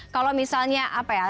kalau misalnya apa ya